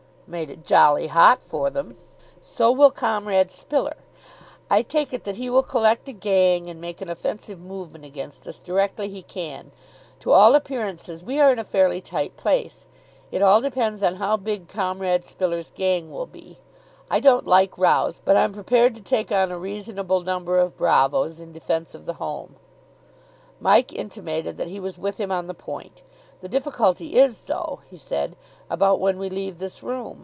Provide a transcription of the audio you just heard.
"Made it jolly hot for them!" "So will Comrade Spiller. I take it that he will collect a gang and make an offensive movement against us directly he can. To all appearances we are in a fairly tight place. It all depends on how big Comrade Spiller's gang will be. I don't like rows, but I'm prepared to take on a reasonable number of bravoes in defence of the home." Mike intimated that he was with him on the point. "The difficulty is, though," he said, "about when we leave this room.